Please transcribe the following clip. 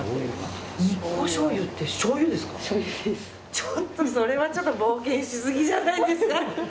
ちょっとそれは冒険しすぎじゃないですか？